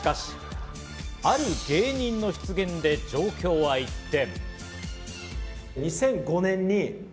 ある芸人の出現で状況は一転。